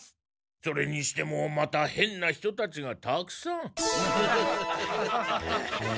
それにしてもまたへんな人たちがたくさん。